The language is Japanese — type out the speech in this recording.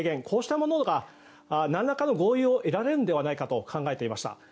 こうしたものがなんらかの合意を得られるのではないかと考えていました。